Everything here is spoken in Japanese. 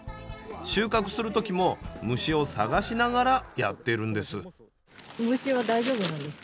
収穫する時も虫を探しながらやってるんです。